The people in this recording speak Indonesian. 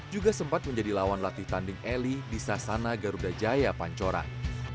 juga sempat menjadi lawan latih tanding eli di sasana garuda jaya pancoran